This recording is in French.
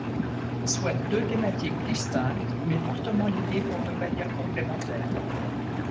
Soit deux thématiques distinctes mais fortement liées pour ne pas dire complémentaires.